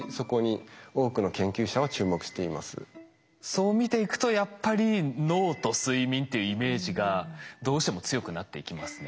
そう見ていくとやっぱり脳と睡眠っていうイメージがどうしても強くなっていきますね。